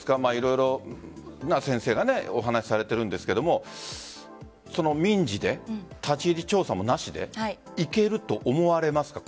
いろんな先生がお話しされているんですが民事で、立ち入り調査もなしでいけると思われますか？